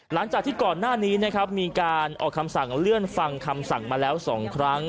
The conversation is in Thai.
หลังจากที่ก่อนหน้านี้นะครับมีการออกคำสั่งเลื่อนฟังคำสั่งมาแล้ว๒ครั้ง